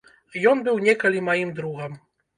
Ён быў некалі маім другам.